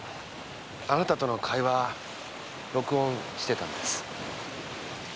あなたとの会話録音してたんです。